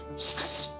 しかし。